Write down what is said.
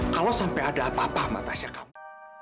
kalau sampai ada apa apa sama tasya kamu